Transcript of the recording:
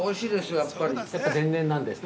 ◆やっぱり天然なんですか？